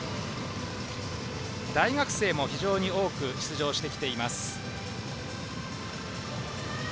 大学生も非常に多く出場してきています。